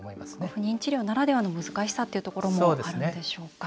不妊治療ならではの難しさっていうところもあるんでしょうか。